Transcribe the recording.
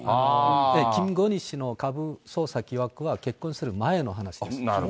キム・ゴンヒ氏の株操作疑惑は結婚する前の話です。